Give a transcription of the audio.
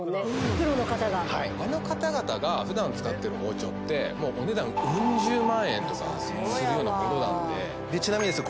プロの方がはいあの方々が普段使ってる包丁ってもうお値段ウン十万円とかそらそうやわするようなものなんでちなみにですね